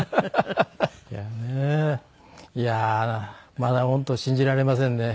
いやーまだ本当信じられませんね。